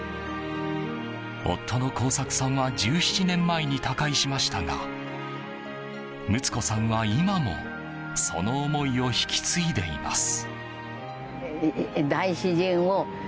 夫の耕作さんは１７年前に他界しましたが睦子さんは、今もその思いを引き継いでいます。